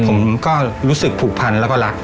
ผมก็รู้สึกผูกพันแล้วก็รัก